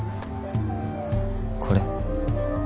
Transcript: これ。